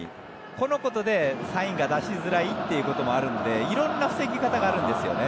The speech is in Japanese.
このことでサインが出しづらいということもあるので色んな防ぎ方があるんですね。